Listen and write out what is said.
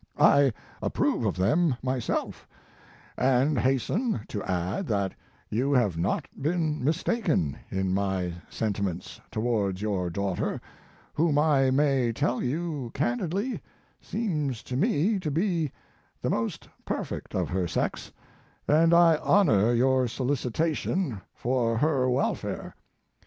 I approve of them myself, and hasten to add that you have not been mistaken in my senti ments towards your daughter, whom I may tell you candidly seems to me to be the most perfect of her sex, and I honor your solicitation for her welfare.